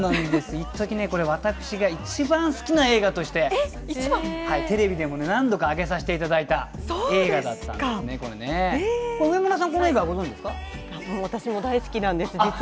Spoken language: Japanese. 一時ね私が一番好きな映画としてテレビでも何度か挙げさせていただいた映画だったんですね。